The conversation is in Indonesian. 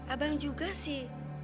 abang juga sih